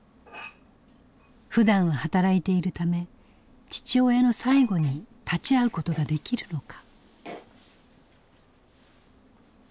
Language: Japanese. ふだんは働いているため父親の最期に立ち会うことができるのか。